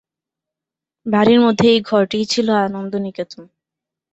বাড়ির মধ্যে এই ঘরটিই ছিল আনন্দনিকেতন।